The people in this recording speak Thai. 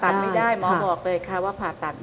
ผ่าตัดไม่ได้หมอบอกเลยค่ะว่าผ่าตัดไม่ได้